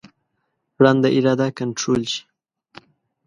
ړنده اراده کنټرول شي.